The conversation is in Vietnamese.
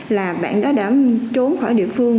là bạn đó đã trốn khỏi địa phương